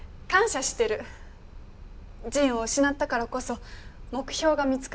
仁を失ったからこそ目標が見つかった。